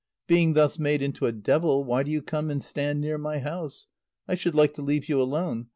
Being thus made into a devil, why do you come and stand near my house? I should like to leave you alone.